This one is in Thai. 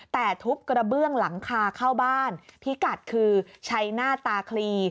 แต่ทุบกระเบื้องหลังคาเข้าบ้านพิกัดคือใช้หน้าตาคลี